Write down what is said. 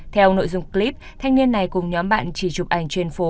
theo nội dung clip thanh niên này cùng nhóm bạn chỉ chụp ảnh trên phố